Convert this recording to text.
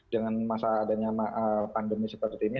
dengan masa adanya pandemi seperti ini